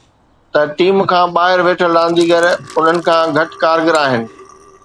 ته ٽيم کان ٻاهر ويٺل رانديگر انهن کان گهٽ ڪارگر آهن.